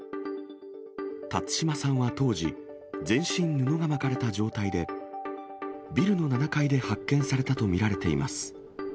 辰島さんは当時、全身布が巻かれた状態で、ビルの７階で発見されたと見られています。